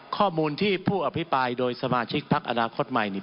ข้อมูลที่ผู้อภิปรายโดยสมาชิกพักอนาคตใหม่นี่